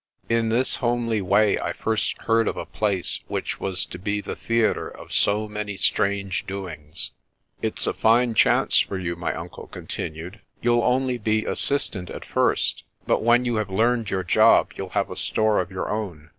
In this homely way I first heard of a place which was to be the theatre of so many strange doings. "It's a fine chance for you," my uncle continued. "You'll only be assistant at first, but when you have learned your job you'll have a store of your own.